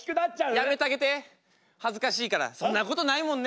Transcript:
やめたげて恥ずかしいからそんなことないもんね。